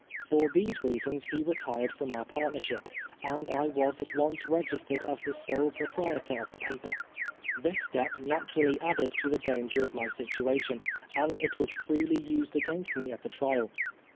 For these reasons he retired from our partnership, and I was at once registered as the sole proprietor of the paper. This step naturally added to the danger of my situation, and it was freely used against me at the trial.